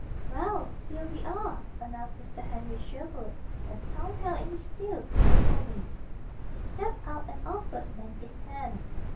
"Well! Here we are," announced Mr. Henry Sherwood, as Tom held in the still eager ponies. He stepped out and offered Nan his hand.